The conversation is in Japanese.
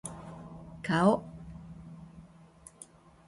顔